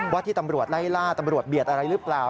ที่ตำรวจไล่ล่าตำรวจเบียดอะไรหรือเปล่า